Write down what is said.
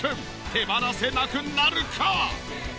手放せなくなるか？